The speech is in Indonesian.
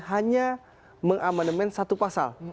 hanya mengamandemen satu pasal